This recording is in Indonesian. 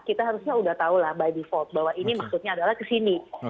kita harusnya sudah tahu lah by default bahwa ini maksudnya adalah kesini